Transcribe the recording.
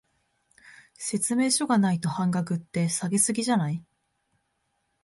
説明書がないと半額って、下げ過ぎじゃない？